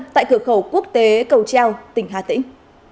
tại cửa khẩu quốc tế cầu treo tỉnh hà tĩnh